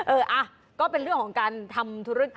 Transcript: เอออ่ะก็เป็นเรื่องของการทำธุรกรรม